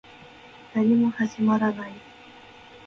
何も始まらない